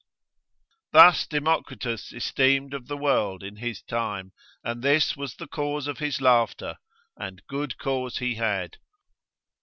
Thus Democritus esteemed of the world in his time, and this was the cause of his laughter: and good cause he had.